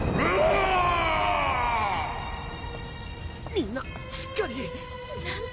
みんなしっかり！なんて